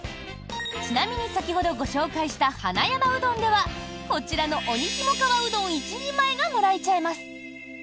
ちなみに先ほどご紹介した花山うどんではこちらの鬼ひも川うどん１人前がもらえちゃいます。